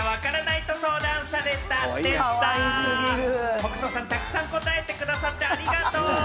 北斗さん、たくさん答えてくださってありがとう。